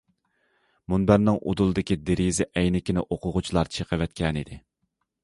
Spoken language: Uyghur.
مۇنبەرنىڭ ئۇدۇلىدىكى دېرىزە ئەينىكىنى ئوقۇغۇچىلار چېقىۋەتكەنىدى.